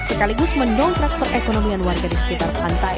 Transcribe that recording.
sekaligus mendongkrak perekonomian warga di sekitar pantai